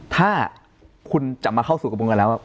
ถ้าคุณจะมาเข้าสู่กระบวนการแล้ว